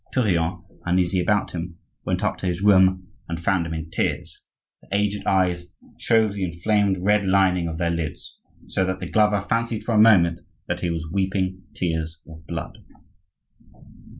Tourillon, uneasy about him, went up to his room and found him in tears; the aged eyes showed the inflamed red lining of their lids, so that the glover fancied for a moment that he was weeping tears of blood.